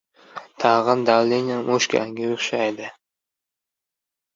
Tag‘in davleniyam oshganga o‘xshaydi».